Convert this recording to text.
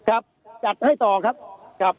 ครับจัดให้ต่อครับครับ